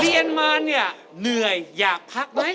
เรียนมาเนี่ยเหนื่อยอยากพักไหม